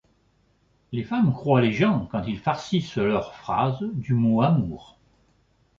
Les femmes croient les gens quand ils farcissent leurs phrases du mot amour.